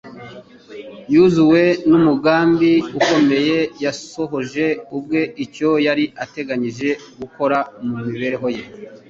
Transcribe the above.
Yuzuwe n'umugambi ukomeye, Yasohoje ubwe icyo Yari yateganije gukora mu mibereho Ye